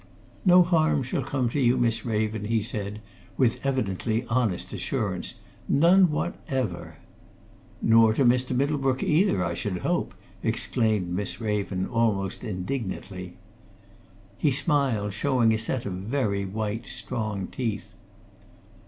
"No harm shall come to you, Miss Raven," he said, with evidently honest assurance. "None whatever!" "Nor to Mr. Middlebrook, either, I should hope!" exclaimed Miss Raven, almost indignantly. He smiled, showing a set of very white, strong teeth.